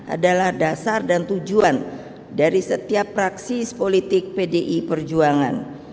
adalah dasar dan tujuan dari setiap praksis politik pdi perjuangan